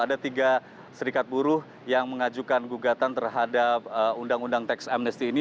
ada tiga serikat buruh yang mengajukan gugatan terhadap undang undang teks amnesty ini